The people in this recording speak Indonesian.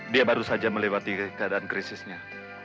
dia baru saja melewati keadaan krisisnya